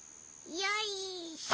よいしょ。